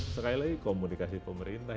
sekali lagi komunikasi pemerintah